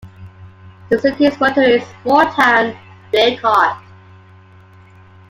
The city's motto is Small town; Big heart.